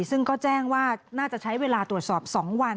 ซึ่งก็แจ้งว่าน่าจะใช้เวลาตรวจสอบ๒วัน